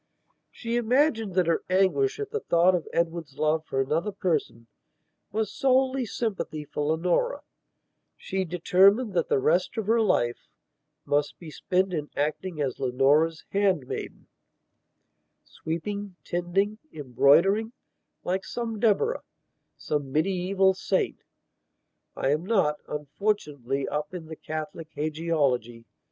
She imagined that her anguish at the thought of Edward's love for another person was solely sympathy for Leonora; she determined that the rest of her life must be spent in acting as Leonora's handmaidensweeping, tending, embroidering, like some Deborah, some medieval saintI am not, unfortunately, up in the Catholic hagiology.